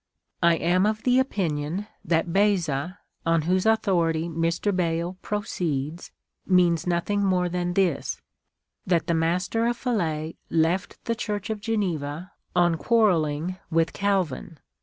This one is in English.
I am of opinion that Beza, on whose authority Mr. Bayle pro ceeds, means nothing more than this, that the Master of Falais left the Church of Geneva on quarrelling with Calvin.